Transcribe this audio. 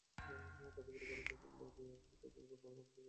তা বিক্রি করে তার মূল্য দিয়ে একটি তরবারী ক্রয় করে আল্লাহর পথে জিহাদ করবে।